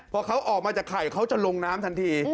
พอเขาออกมาจากไข่เขาจะลงน้ำทันที